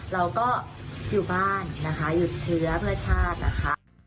เราก็อยู่บ้านนะคะหยุดเชื้อเพื่อชาตินะคะ